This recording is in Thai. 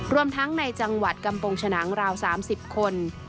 รวมทั้งในจังหวัดกำปงฉนังราว๓๐คน